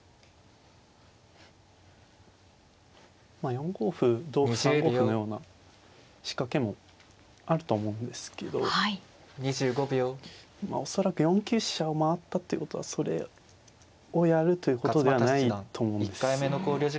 ４五歩同歩３五歩のような仕掛けもあると思うんですけど恐らく４九飛車を回ったっていうことはそれをやるということではないと思うんです。